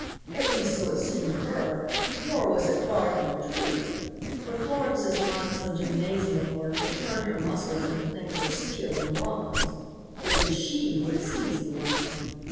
At least so it seemed to her, nor was it far from the truth. For Florence's months of gymnasium work had turned her muscles into things of steel and bronze. It was she who had seized the woman.